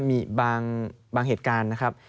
มีบางเหตุการณ์นะครับ